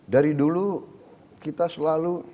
kata yang yo those saya lah